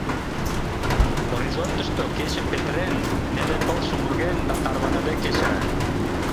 Горизонтышто, кечым петырен, неле пыл чумырген да тарваныде кеча.